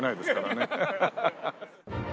ハハハハッ。